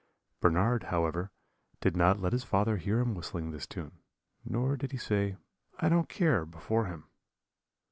"Bernard, however, did not let his father hear him whistling this tune, nor did he say, 'I don't care,' before him.